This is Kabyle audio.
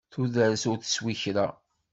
Tudert ur teswi kra.